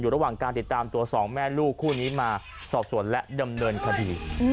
อยู่ระหว่างการติดตามตัวสองแม่ลูกคู่นี้มาสอบส่วนและเดิมเนินความผิด